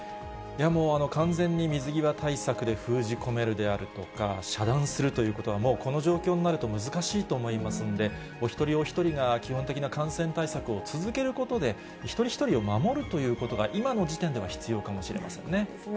もう、完全に水際対策で封じ込めるであるとか、遮断するということはもう、この状況になると難しいと思いますんで、お一人お一人が基本的な感染対策を続けることで、一人一人を守るということが今の時点では必要かもしれませんね。